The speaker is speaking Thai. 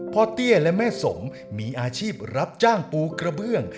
เตี้ยและแม่สมมีอาชีพรับจ้างปูกระเบื้อง